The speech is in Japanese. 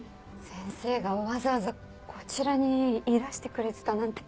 先生がわざわざこちらにいらしてくれてたなんて。